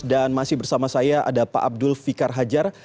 dan masih bersama saya ada pak abdul fikar hajar